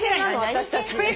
私たち。